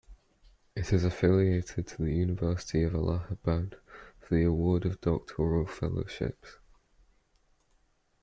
It is affiliated to the University of Allahabad for the award of doctoral fellowships.